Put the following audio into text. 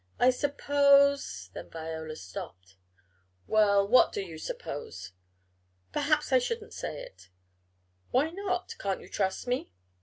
I suppose " Then Viola stopped. "Well, what do you suppose?" "Perhaps I shouldn't say it " "Why not? Can't you trust me?"